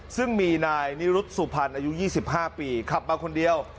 ซึ่งมีนายนิรุธสุพรรณอายุ๒๕ปีขับมาคนเดียว